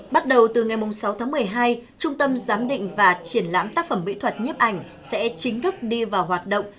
bắt đầu từ ngày sáu tháng một mươi hai trung tâm giám định và triển lãm tác phẩm mỹ thuật nhếp ảnh sẽ chính thức đi vào hoạt động